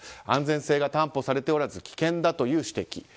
安全性が担保されておらず危険だという指摘。